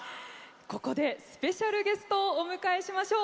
ここでスペシャルゲストをお迎えしましょう。